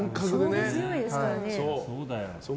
勝負強いですからね。